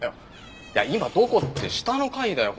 今どこって下の階だよ。